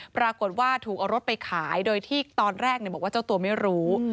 ปรากฏว่าถูกเอารถไปขายโดยที่ตอนแรกบอกว่าเจ้าตัวไม่รู้